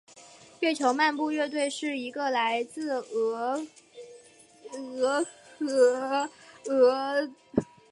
月球漫步乐团是一个来自俄亥俄州辛辛那提的美国摇滚乐队。